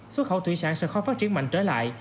xuất khẩu thủy sản sẽ khó phát triển mạnh trở lại